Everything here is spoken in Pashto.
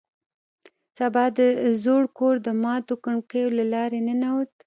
سبا د زوړ کور د ماتو کړکیو له لارې راننوت